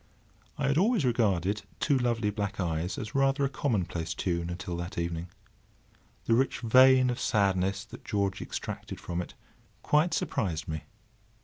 I had always regarded "Two Lovely Black Eyes" as rather a commonplace tune until that evening. The rich vein of sadness that George extracted from it quite surprised me.